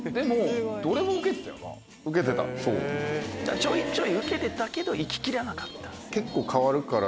ちょいちょいウケてたけど行ききらなかった。